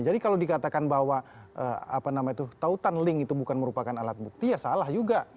jadi kalau dikatakan bahwa apa namanya itu tautan link itu bukan merupakan alat bukti ya salah juga